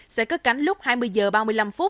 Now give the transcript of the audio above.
sẽ cất cánh lúc hai mươi h ba mươi năm